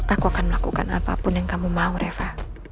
aku akan melakukan apapun yang kamu mau reva